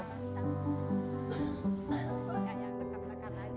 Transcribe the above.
berbekanya dekat rekan aja